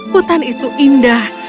hutan itu indah